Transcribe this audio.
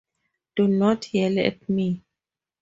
Do not yell at me.